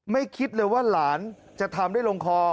คิดเลยว่าหลานจะทำได้ลงคอ